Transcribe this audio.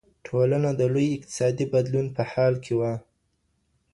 ټولنه د لوي اقتصادي بدلون په حال کي وه.